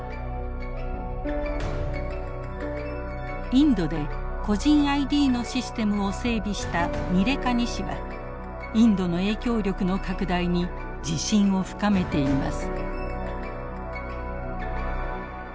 インドで個人ＩＤのシステムを整備したニレカニ氏はインドの影響力の拡大に自信を深めています。